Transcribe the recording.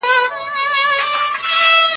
او تر ابده به پاتې وي.